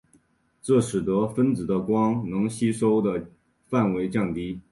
这使得分子的光能吸收的范围降低。